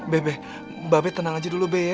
be be mba be tenang aja dulu be ya